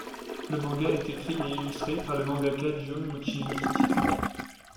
Le manga est écrit et illustré par la mangaka Jun Mochizuki.